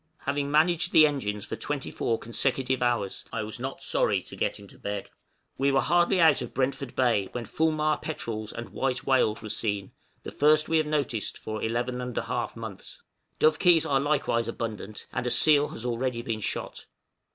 Having managed the engines for twenty four consecutive hours, I was not sorry to get into bed. We were hardly out of Brentford Bay when fulmar petrels and white whales were seen; the first we have noticed for eleven and a half months. Dovekies are likewise abundant, and a seal has already been shot.